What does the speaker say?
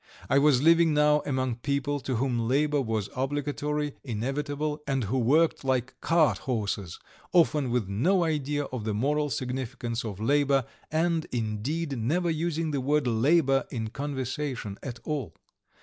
I was living now among people to whom labour was obligatory, inevitable, and who worked like cart horses, often with no idea of the moral significance of labour, and, indeed, never using the word "labour" in conversation at all.